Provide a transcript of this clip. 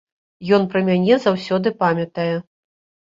Ён пра мяне заўсёды памятае.